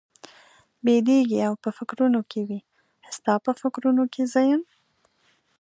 بېدېږي او په فکرونو کې وي، ستا په فکرونو کې زه یم؟